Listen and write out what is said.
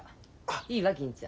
いいわ銀ちゃん。